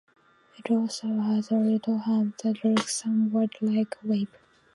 It also has a little hump that looks somewhat like a wave.